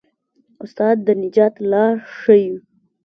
استاد د نجات لار ښيي.